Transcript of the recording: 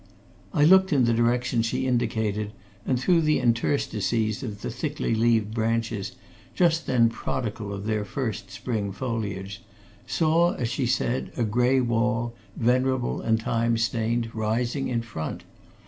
I looked in the direction she indicated, and through the interstices of the thickly leaved branches, just then prodigal of their first spring foliage, saw, as she said, a grey wall, venerable and time stained, rising in front.